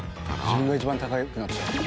自分が一番高くなっちゃう。